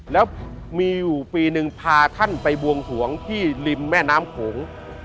แล้วมีอยู่ปีหนึ่งพาท่านไปบวงสวงที่ริมแม่น้ำโขง